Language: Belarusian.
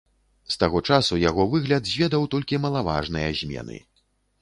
З таго часу яго выгляд зведаў толькі малаважныя змены.